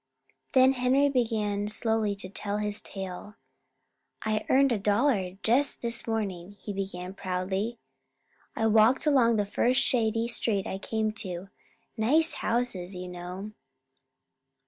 Then Henry began slowly to tell his tale. "I earned a dollar just this morning," he began proudly. "I walked along the first shady street I came to nice houses, you know.